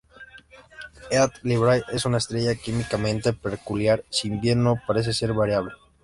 Eta Librae es una estrella químicamente peculiar, si bien no parece ser variable.